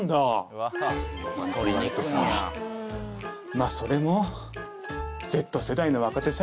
まぁそれも。